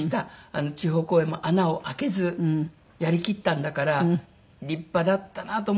地方公演も穴を開けずやりきったんだから立派だったなと思います。